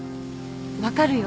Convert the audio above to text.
分かるよ